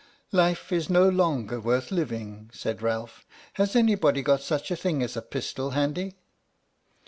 " Life is no longer worth living," said Ralph. " Has anybody got such a thing as a pistol handy